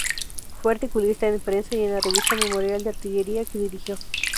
Fue articulista en prensa y en la revista "Memorial de Artillería", que dirigió.